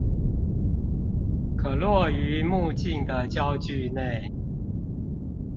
可落於目鏡的焦距內